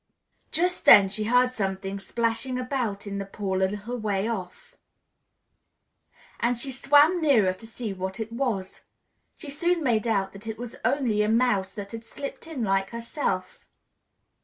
Just then she heard something splashing about in the pool a little way off, and she swam nearer to see what it was: she soon made out that it was only a mouse that had slipped in like herself.